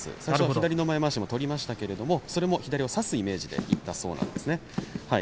左の前まわしも取りましたけどそれも左を差すイメージだったそうです。